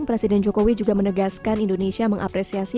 presiden jokowi juga menegaskan indonesia mengapresiasi